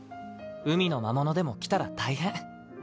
海の魔物でも来たら大変。